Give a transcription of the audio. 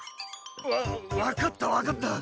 わ分かった分かった。